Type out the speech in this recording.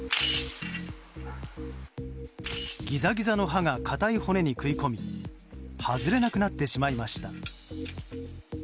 ギザギザの刃が硬い骨に食い込み外れなくなってしまいました。